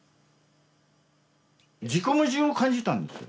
自己矛盾を感じたんですよ。